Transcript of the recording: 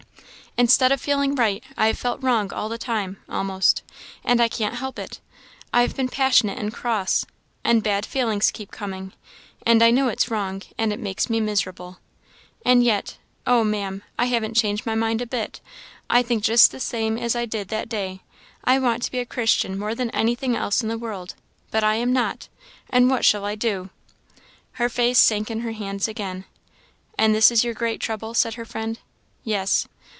Instead of feeling right, I have felt wrong all the time, almost and I can't help it. I have been passionate and cross, and bad feelings keep coming; and I know it's wrong, and it makes me miserable. And yet, oh! Maam, I haven't changed my mind a bit I think just the same as I did that day; I want to be a Christian more than anything else in the world, but I am not and what shall I do?" Her face sank in her hands again. "And this is your great trouble?" said her friend. "Yes."